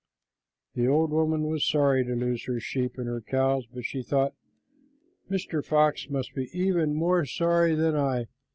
The old woman was sorry to lose her sheep and her cows, but she thought, "Mr. Fox must be even more sorry than I.